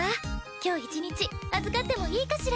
今日一日預かってもいいかしら？